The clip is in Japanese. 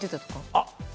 あっ！